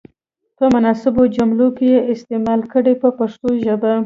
په مناسبو جملو کې یې استعمال کړئ په پښتو ژبه.